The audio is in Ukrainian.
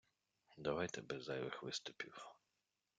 Давайте без зайвих виступів.